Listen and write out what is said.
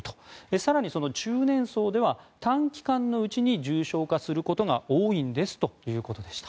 更にその中年層では短期間のうちに重症化することが多いんですということでした。